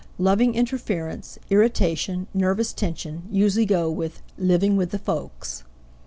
Loving interference, irritation, nervous tension, usually go with "living with the folks."